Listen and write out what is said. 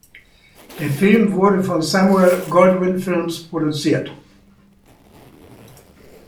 Der Film wurde von Samuel Goldwyn Films produziert.